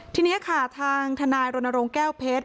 ทีนี้ค่ะทางทนายรณรงค์แก้วเพชร